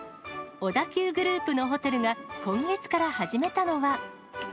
小田急グループのホテルが、今月から始めたのは。